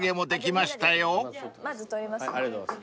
まず取ります。